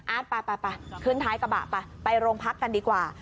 อาร์ทไปขึ้นท้ายกระบะไปลงพักกันดีกว่า